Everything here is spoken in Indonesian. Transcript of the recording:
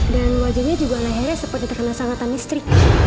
dan wajahnya juga lehernya seperti terkena sangatan istri